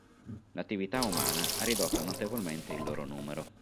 L'attività umana ha ridotto notevolmente il loro numero.